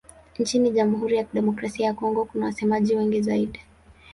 Nchini Jamhuri ya Kidemokrasia ya Kongo kuna wasemaji wengi zaidi.